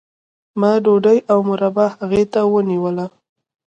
ما ډوډۍ او مربا هغې ته ونیوله